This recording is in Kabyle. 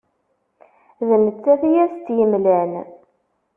D nettat i as-tt-imlan.